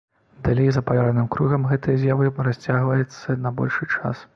Далей за палярным кругам гэтыя з'явы расцягваецца на большы час.